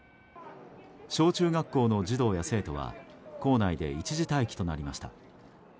小中学校の児童や生徒は校内で一時待機となりました。